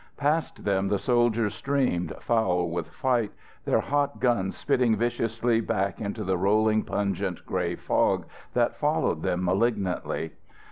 Past them the soldiers streamed, foul with fight, their hot guns spitting viciously back into the rolling, pungent grey fog that followed them malignantly.